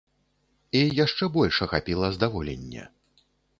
І яшчэ больш ахапіла здаволенне.